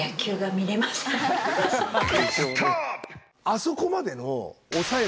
あそこまでの。